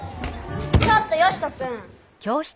ちょっとヨシトくん。